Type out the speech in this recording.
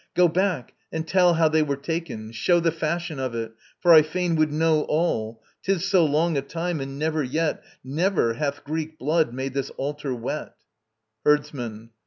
Go back, and tell how they were taken; show The fashion of it, for I fain would know All. 'Tis so long a time, and never yet, Never, hath Greek blood made this altar wet. HERDSMAN.